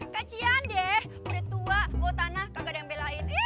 kajian deh murid tua bawa tanah kagak ada yang belain